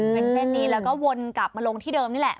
เป็นเส้นนี้แล้วก็วนกลับมาลงที่เดิมนี่แหละ